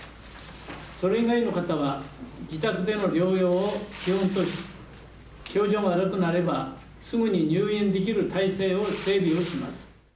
それ以外の方は、自宅での療養を基本とし、症状が悪くなれば、すぐに入院できる体制を整備をします。